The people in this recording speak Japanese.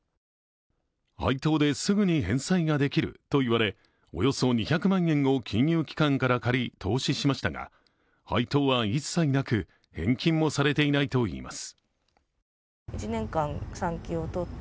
配当ですぐに返済できると言われおよそ２００万円を金融機関から借り、投資しましたが配当は一切なく、返金もされていないといいます。